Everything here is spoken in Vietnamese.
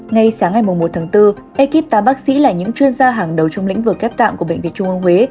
ngay sáng ngày một một bốn ekip tám bác sĩ là những chuyên gia hàng đầu trong lĩnh vực ghép tặng của bệnh viện trung ân huế